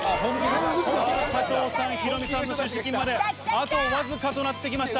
さぁ加藤さんヒロミさんの出資金まであとわずかとなって来ました